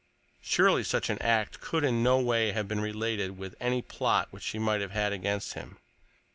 Surely such an act could in no way have been related with any plot which she might have had against him!